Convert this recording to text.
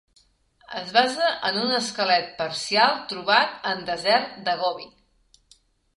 Es basa en un esquelet parcial trobat en Desert de Gobi.